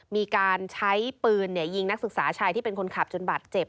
มีการใช้ปืนยิงนักศึกษาชายที่เป็นคนขับจนบาดเจ็บ